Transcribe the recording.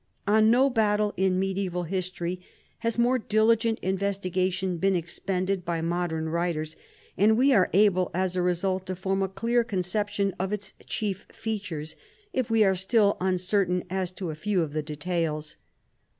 On no battle in medieval history has more diligent investigation been expended by modern writers, and we are able as a result to form a clear conception of its chief features, if we are still uncertain as to a few of the details.